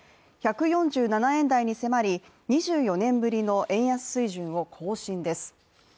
１４７円台に迫り、２４年ぶりの円安水準を更新です。